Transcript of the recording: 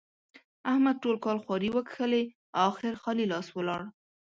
احمد ټول کال خواري وکښلې؛ اخېر خالي لاس ولاړ.